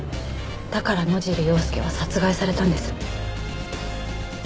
だから野尻要介は殺害されたんです。